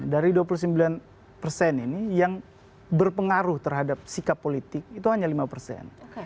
dari dua puluh sembilan persen ini yang berpengaruh terhadap sikap politik itu hanya lima persen